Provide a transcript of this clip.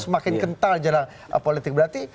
semakin kental jalan politik berarti